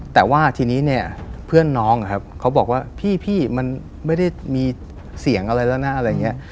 แต่ว่าทีนี้เพื่อนน้องเขาบอกว่าพี่มันไม่ได้มีเสียงอะไรแล้วนะ